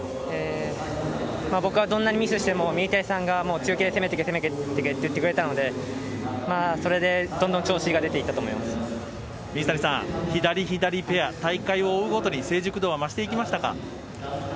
僕はどんなにミスしても水谷さんが強気で攻めてけ、攻めてけっていってくれたので、まあそれでどんどん調子が出てい水谷さん、左・左ペア、大会を追うごとに成熟度は増していきましたか？